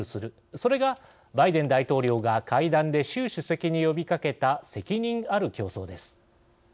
それが、バイデン大統領が会談で習主席に呼びかけた責任ある競争です。